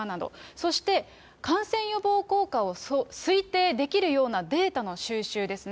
そして、感染予防効果を推定できるようなデータの収集ですね。